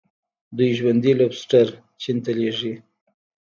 دوی ژوندي لوبسټر چین ته لیږي.